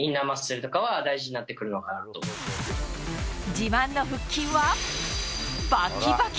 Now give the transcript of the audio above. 自慢の腹筋はバッキバキ！